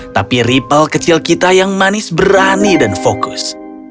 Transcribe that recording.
tapi ripple kecil kita yang manis berani dan fokus